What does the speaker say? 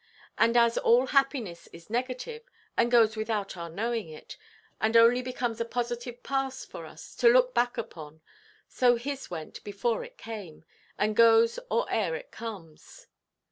And, as all happiness is negative, and goes without our knowing it, and only becomes a positive past for us to look back upon, so his went before it came, and goes or eʼer it comes.